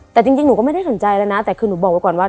แต่จริงจริงหนูก็ไม่ได้ถนใจเลยนะแต่คือหนูบอกก่อนว่า